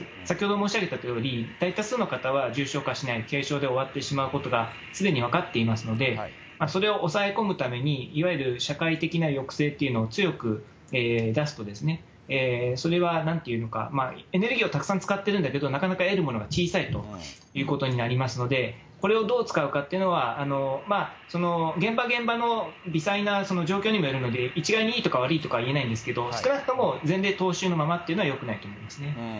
先ほど申し上げたとおり、大多数の方は重症化しない、軽症で終わってしまうことがすでに分かっていますので、それを抑え込むために、いわゆる社会的な抑制というのを強く出すと、それはなんというのか、エネルギーをたくさん使ってるんだけど、なかなか得るものが小さいということになりますので、これをどう使うかというのは、現場現場の微細な状況にもよるので、一概にいいとか悪いとか言えないんですけど、少なくとも前例踏襲のままというのはよくないと思いますね。